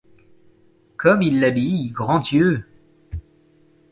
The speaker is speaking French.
Comme ils l’habillent, grand Dieu !